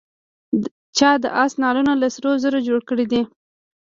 چا د آس نعلونه له سرو زرو جوړ کړي دي.